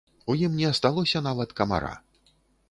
У ім не асталося нават камара.